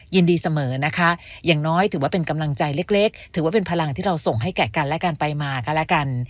ยินดีเสมอนะคะอย่างน้อยถือว่าเป็นกำลังใจเล็กถือว่าเป็นพลังที่เราส่งให้แก่กันและกันไปมาก็แล้วกัน